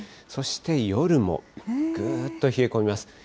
そして夜も、ぐーっと冷え込みます。